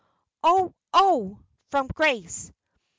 "Oh! oh!" from Grace.